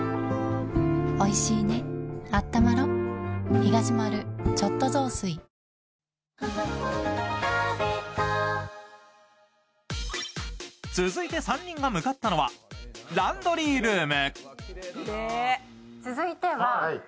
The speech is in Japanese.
新発売続いて３人が向かったのはランドリールーム。